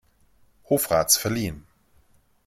Hofrats verliehen.